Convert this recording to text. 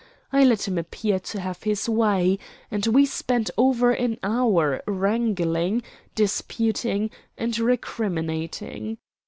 I let him appear to have his way, and we spent over an hour wrangling, disputing, and recriminating.